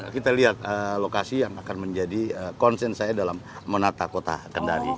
kita lihat lokasi yang akan menjadi concern saya dalam menata kota kendari